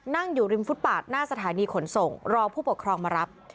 นั่งอยู่ริมฟุตปาดหน้าสถานีขนส่งรอผู้ปกครองมารับ